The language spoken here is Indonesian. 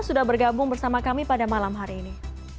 sudah bergabung bersama kami pada malam hari ini